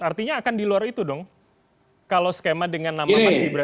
artinya akan di luar itu dong kalau skema dengan nama mas gibran